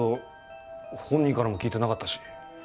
本人からも聞いてなかったし。